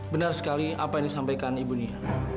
benar sekali apa yang disampaikan ibu nia